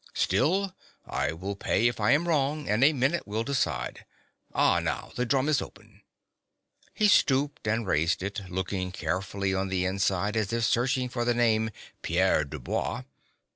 Still, I will pay if I am wrong, and a minute will decide. * Ah, now the drum is open." ^ He stooped and raised it, looking carefully on the inside, as if searching for the name, "Pierre Du Bois."